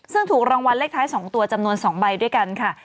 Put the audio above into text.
ซึ่งถูกรางวัลเลขท้าย๒ตัวจำนวน๒ใบด้วยกันค่ะ